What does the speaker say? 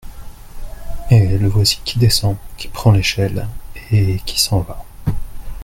Et le voici qui descend, qui prend l'échelle, et qui s'en va.